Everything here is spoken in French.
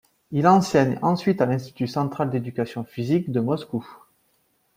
Il enseigne ensuite à l'Institut central d'Éducation physique de Moscou.